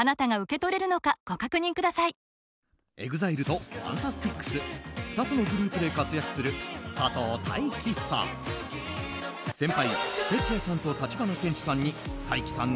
ＥＸＩＬＥとＦＡＮＴＡＳＴＩＣＳ２つのグループで活躍する佐藤大樹さん。